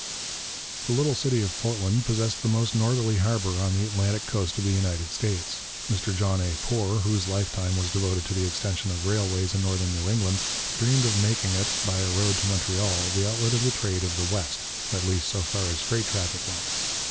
The little city of Portland possessed the most northerly harbour on the Atlantic coast of the United States. Mr John A. Poor, whose lifetime was devoted to the extension of railways in northern New England, dreamed of making it, by a road to Montreal, the outlet of the trade of the West, at least so far as freight traffic went.